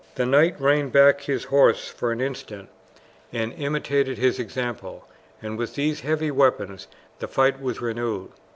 The knight reined back his horse for an instant, and imitated his example, and with these heavy weapons the fight was renewed.